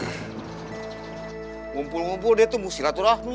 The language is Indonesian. hai ngumpul ngumpul dia tuh musti ratu rahmi